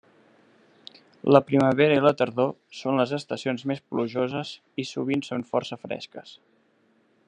La primavera i la tardor són les estacions més plujoses, i sovint són força fresques.